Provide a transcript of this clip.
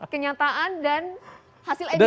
pernyataan dan hasil edit an gitu